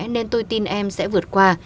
nên tôi tin em sẽ vượt qua